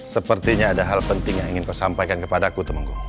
sepertinya ada hal penting yang ingin kau sampaikan kepada aku temengku